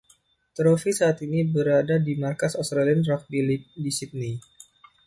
Trofi saat ini berada di markas Australian Rugby League di Sydney.